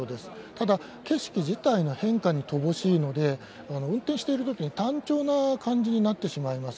ただ景色自体が変化に乏しいので、運転しているときに、単調な感じになってしまいます。